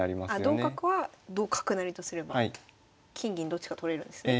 同角は同角成とすれば金銀どっちか取れるんですね。